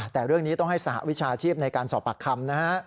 แต่เรื่องนี้ต้องให้สหวิชาชีพในการสอบปากคำนะฮะ